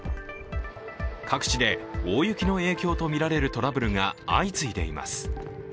各地で大雪の影響とみられるトラブルが相次いでいます。